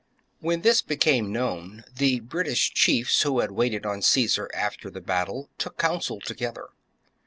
30. When this became known, the British J^pjj'\^°"' chiefs who had waited on Caesar after the battle holdTities. took counsel together.